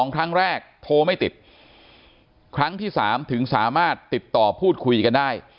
ครั้งแรกโทรไม่ติดครั้งที่๓ถึงสามารถติดต่อพูดคุยกันได้